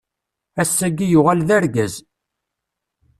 Ass-agi yuɣal d argaz.